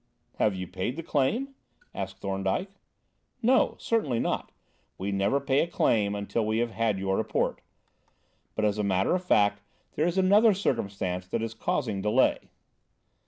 "Have you paid the claim?" asked Thorndyke. "No, certainly not. We never pay a claim until we have had your report. But, as a matter of fact, there is another circumstance that is causing delay.